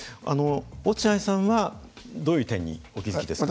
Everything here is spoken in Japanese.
落合さんはどういう点にお気付きですか。